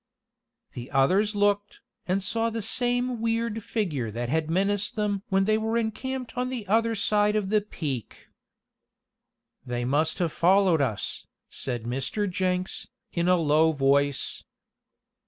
The others looked, and saw the same weird figure that had menaced them when they were encamped on the other side of the peak. "They must have followed us," said Mr. Jenks, in a low voice.